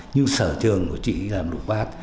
nhưng sở trường của chị là lục bát